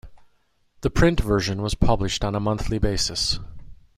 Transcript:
The print version was published on a monthly basis.